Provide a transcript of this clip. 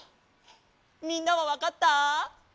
みんなはわかった？